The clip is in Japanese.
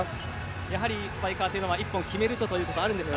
やはりスパイカーというのは１本決めるとということがあるんですか？